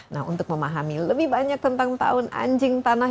nah untuk memahami lebih banyak tentang tahun anjing tanah